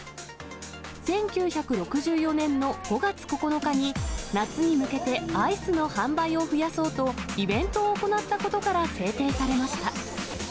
１９６４年の５月９日に、夏に向けてアイスの販売を増やそうと、イベントを行ったことから制定されました。